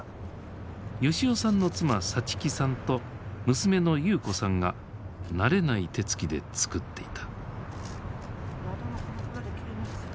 吉男さんの妻さちきさんと娘の優子さんが慣れない手つきで作っていた。